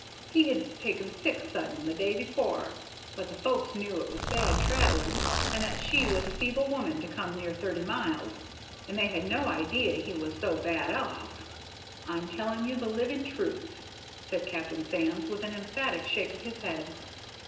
He had been taken sick sudden the day before, but the folks knew it was bad travelling, and that she was a feeble woman to come near thirty miles, and they had no idee he was so bad off. I'm telling you the living truth," said Captain Sands, with an emphatic shake of his head.